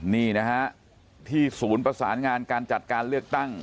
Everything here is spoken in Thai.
นี่นะฮะที่ศูนย์ประสานงานการจัดการเลือกตั้ง